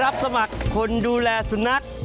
รับสมัครคนดูแลสุนัข